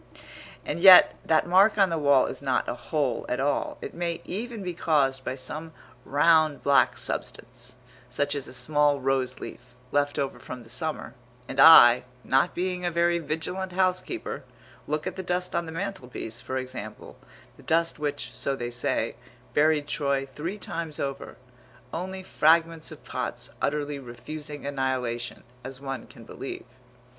And yet that mark on the wall is not a hole at all. It may even be caused by some round black substance, such as a small rose leaf, left over from the summer, and I, not being a very vigilant housekeeper look at the dust on the mantelpiece, for example, the dust which, so they say, buried Troy three times over, only fragments of pots utterly refusing annihilation, as one can believe.